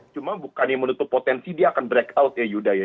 cuma bukan yang menurut potensi dia akan break out ya yuda ya